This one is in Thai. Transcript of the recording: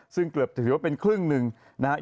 ซึ่งเกือบถือว่าเป็นครึ่งหนึ่งนะครับ